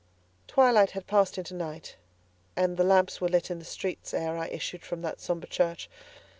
Twilight had passed into night, and the lamps were lit in the streets ere I issued from that sombre church.